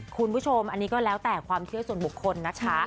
คุณผู้ชมอันนี้ก็แล้วแต่ความเชื่อส่วนบุคคลนะคะ